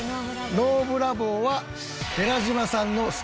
Ｎｏブラボーは。